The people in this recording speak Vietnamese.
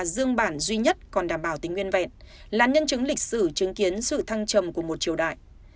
dương bản duy nhất còn đảm bảo tính nguyên vẹn là nhân chứng lịch sử chứng kiến sự thăng trầm của một triều đại